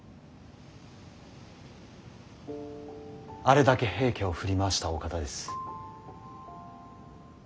あれだけ平家を振り回したお方です。